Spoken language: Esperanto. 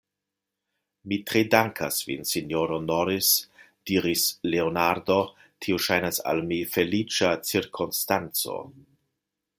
Mi tre dankas vin, sinjoro Norris, diris Leonardo; tio ŝajnas al mi feliĉa cirkonstanco.